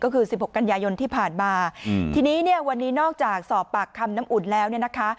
ก็คือสิบหกกันยายนที่ผ่านมาทีนี้เนี่ยวันนี้นอกจากสอบปากคำน้ำอุ่นแล้วเนี่ยนะคะ